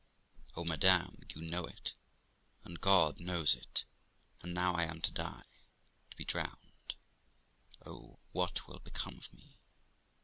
Oh, madam! you know it, and God knows it, and now I am to die to be drowned ! Oh ! what will become of me